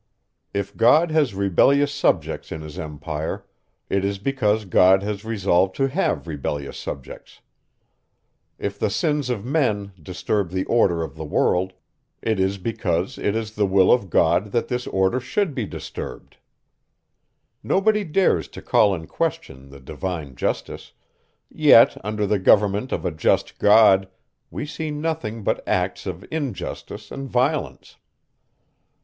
If God has rebellious subjects in his empire, it is because God has resolved to have rebellious subjects. If the sins of men disturb the order of the world, it is because it is the will of God that this order should be disturbed. Nobody dares to call in question the divine justice; yet, under the government of a just God, we see nothing but acts of injustice and violence.